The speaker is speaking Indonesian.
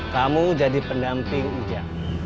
kamu jadi pendamping uja